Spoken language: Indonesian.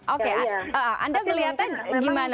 oke anda melihatnya gimana